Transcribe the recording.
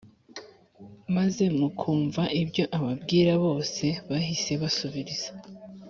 maze mukumva ibyo ababwira Bose bahise basubiriza